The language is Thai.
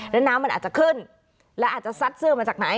แล้วน้ำมันอาจจะขึ้นและอาจจะซัดเสื้อมาจากไหน